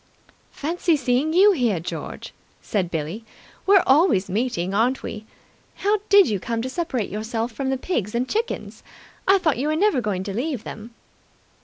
"Fancy seeing you here, George!" said Billie. "We're always meeting, aren't we? How did you come to separate yourself from the pigs and chickens? I thought you were never going to leave them."